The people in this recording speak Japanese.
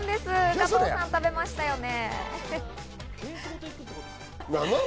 加藤さんも食べましたよね。